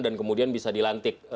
dan kemudian bisa dilantik